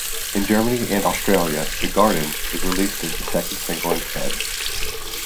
In Germany and Australia, "The Garden" was released as the second single instead.